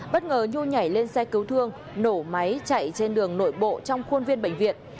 bất ngờ nhu nhảy lên xe cứu thương nổ máy chạy trên đường nội bộ trong khuôn viên bệnh viện